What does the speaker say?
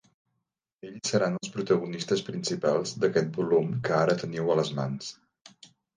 Ells seran els protagonistes principals d'aquest volum que ara teniu a les mans.